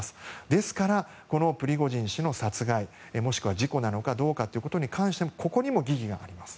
ですから、プリゴジン氏の殺害もしくは事故なのかどうかに関してここにも疑義があります。